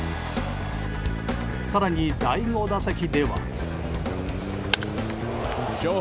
更に、第５打席では。